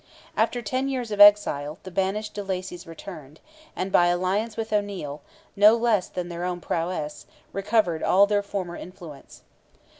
After ten years of exile, the banished de Lacys returned, and by alliance with O'Neil, no less than their own prowess, recovered all their former influence.